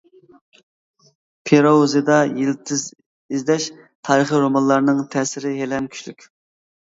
پىروزىدا يىلتىز ئىزدەش، تارىخى رومانلارنىڭ تەسىرى ھېلىھەم كۈچلۈك.